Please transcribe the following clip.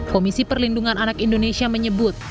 komisi perlindungan anak indonesia menyebut